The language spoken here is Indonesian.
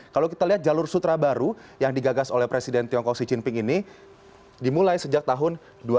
kalau kita lihat jalur sutra baru yang digagas oleh presiden tiongkok xi jinping ini dimulai sejak tahun dua ribu